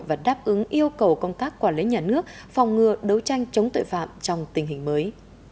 và đáp ứng yêu cầu công tác quản lý nhà nước phòng ngừa đấu tranh chống tội phạm trong tình hình mới